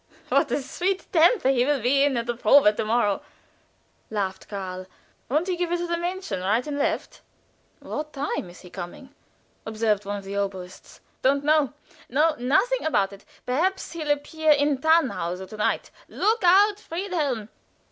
"What a sweet temper he will be in at the probe to morrow!" laughed Karl. "Won't he give it to the Mädchen right and left!" "What time is he coming?" proceeded one of the oboists. "Don't know; know nothing about it; perhaps he'll appear in 'Tannhauser' to night. Look out, Friedhelm."